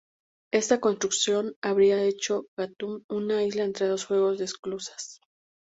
Esta construcción habría hecho de Gatún una isla entre dos juegos de esclusas.